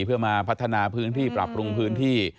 เพื่อมาพัฒนาพื้นที่ปรับปรุงพื้นที่